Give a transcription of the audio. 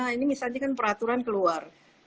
ini misalnya kan peraturan keluar